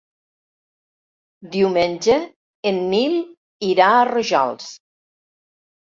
Diumenge en Nil irà a Rojals.